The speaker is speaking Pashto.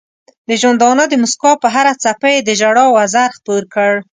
د ژوندانه د مسکا پر هره څپه یې د ژړا وزر خپور کړ.